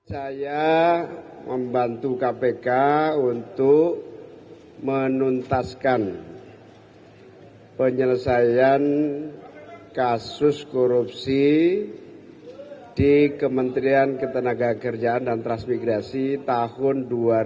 saya membantu kpk untuk menuntaskan penyelesaian kasus korupsi di kementerian ketenaga kerjaan dan transmigrasi tahun dua ribu dua puluh